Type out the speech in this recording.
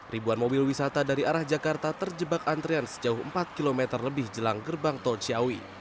ribuan mobil wisata dari arah jakarta terjebak antrian sejauh empat km lebih jelang gerbang tol ciawi